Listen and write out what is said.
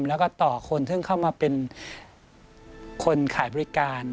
แล้วก็ต่อคนซึ่งเข้ามาเป็นคนขายบริการ